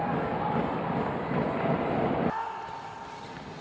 สวัสดีทุกคน